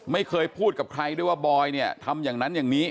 ไม่เคยพูดกับใครด้วยว่าบอยเนี่ยทำอย่างนั้นอย่างนี้